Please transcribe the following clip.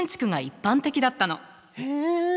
へえ。